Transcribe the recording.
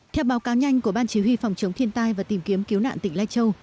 theo báo cáo nhanh của ban chỉ huy phòng chống thiên tai và tìm kiếm cứu nạn tỉnh lai châu